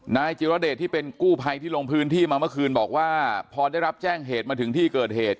นายจิรเดชที่เป็นกู้ภัยที่ลงพื้นที่มาเมื่อคืนบอกว่าพอได้รับแจ้งเหตุมาถึงที่เกิดเหตุ